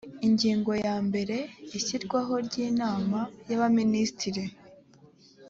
ingingo ya mbere ishyirwaho ryinama yabaminisitiri